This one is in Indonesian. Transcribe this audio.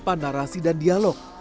tanpa narasi dan dialog